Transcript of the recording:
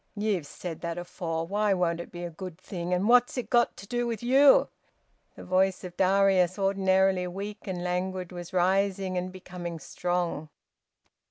"Ye've said that afore. Why won't it be a good thing? And what's it got to do with you?" The voice of Darius, ordinarily weak and languid, was rising and becoming strong.